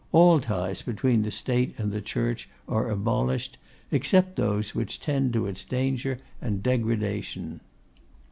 All ties between the State and the Church are abolished, except those which tend to its danger and degradation.